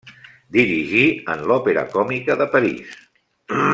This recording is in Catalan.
Dirigí en l'Òpera Còmica de París.